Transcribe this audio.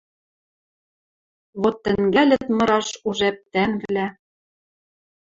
Вот тӹнгӓлӹт мыраш уж ӓптӓнвлӓ.